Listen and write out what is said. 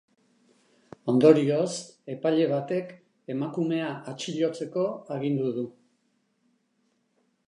Ondorioz, epaile batek emakumea atxilotzeko agindu du.